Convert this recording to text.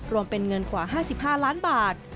รวมเป็นเงินกว่า๕๕ล้านบาท